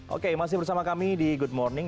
oke masih bersama kami di good morning